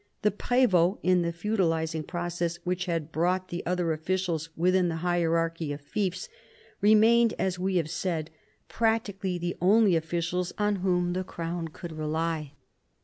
The prdvots, in the feudal ising process which had brought the other officials within the hierarchy of fiefs, remained, as we have said, practically the only officials on whom the Crown could rely.